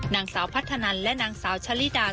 นางสาวพัฒนันและนางสาวชะลิดา